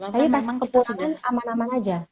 tapi pas ke pulang kan aman aman aja